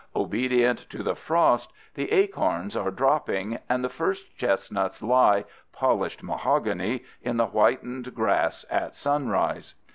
Obedient to the frost, the acorns are dropping, and the first chestnuts lie, polished mahogany, in the whitened grass at sunrise.